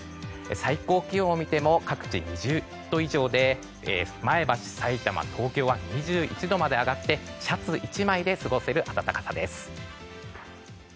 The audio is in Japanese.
最高気温を見ても各地、２０度以上で前橋、さいたま、東京は２１度まで上がってシャツ１枚で過ごせる暖かさです。